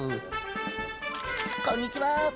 こんにちは！